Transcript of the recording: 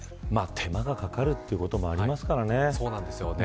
手間がかかるということもありますからね。